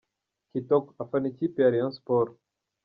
Kitoko : Afana ikipe ya Rayon Sports.